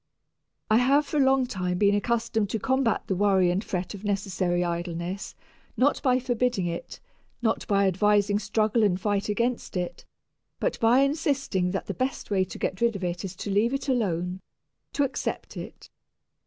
I have for a long time been accustomed to combat the worry and fret of necessary idleness not by forbidding it, not by advising struggle and fight against it, but by insisting that the best way to get rid of it is to leave it alone, to accept it.